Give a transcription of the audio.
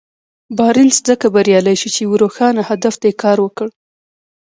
بارنس ځکه بريالی شو چې يوه روښانه هدف ته يې کار وکړ.